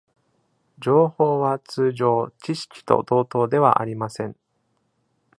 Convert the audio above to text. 「情報」は通常「知識」と同等ではありません。